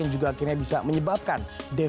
yang juga akhirnya bisa menyebabkan